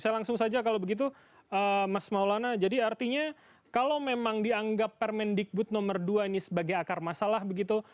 saya langsung saja kalau begitu mas maulana jadi artinya kalau memang dianggap permendikbud nomor dua ini sebagai akar masalah begitu